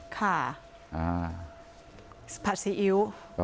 ขาผัดซีอิ๊ว